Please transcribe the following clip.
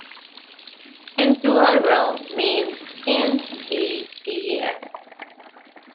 Endaural means "in the ear".